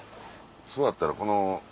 座ったらこの。